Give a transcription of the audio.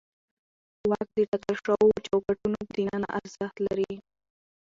واک د ټاکل شوو چوکاټونو دننه ارزښت لري.